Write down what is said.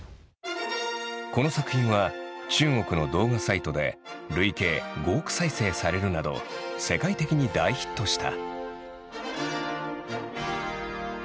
この作品は中国の動画サイトで累計５億再生されるなど世界的に大ヒットした。